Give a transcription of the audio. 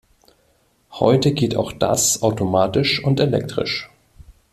Heute geht auch das automatisch und elektrisch.